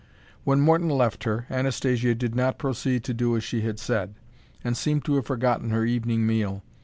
When Morton left her, Anastasia did not proceed to do as she had said, and seemed to have forgotten her evening meal.